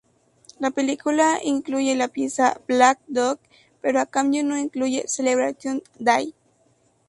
La película incluye la pieza "Black Dog" pero a cambio no incluye "Celebration Day".